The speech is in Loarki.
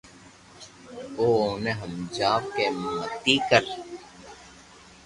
او اوني ھمجاوُ ڪہ متي ڪر